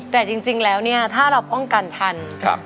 แต่จริงแล้วเนี่ยถ้าเราป้องกันทัน